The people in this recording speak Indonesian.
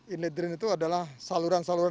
inlet drain itu adalah saluran saluran